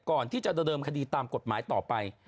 ก่อนที่จะดำเนินคดีตามกฎหมายต่อไป